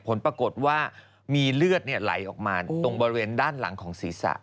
ผลปรากฏว่ามีเลือดไหลออกมาตรงบริเวณด้านหลังของศีรษะ